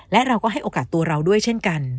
และเราก็ให้โอกาสตัวเราด้วยเช่นกัน